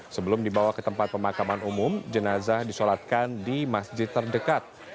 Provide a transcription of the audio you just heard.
sebelum dibawa ke tempat pemakaman umum jenazah disolatkan di masjid terdekat